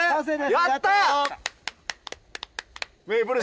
やった！